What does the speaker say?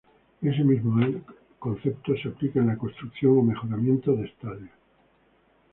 Este mismo concepto se aplica en la construcción o mejoramiento de estadios.